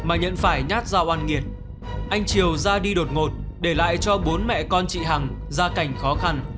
anh triều ra đi đột ngột để lại cho bốn mẹ con chị hằng ra cảnh khó khăn